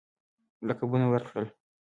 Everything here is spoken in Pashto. لقبونه ورکړل.